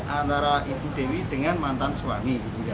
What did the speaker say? antara ibu dewi dengan mantan suami